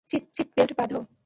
Seat belt বাঁধো।